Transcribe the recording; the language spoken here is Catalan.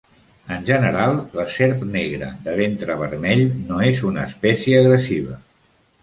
En general la serp negra de ventre vermell no és una espècie agressiva.